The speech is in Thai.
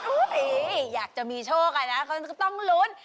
อุ๊ยอยากจะมีโชคกันนะก็ต้องลุ้น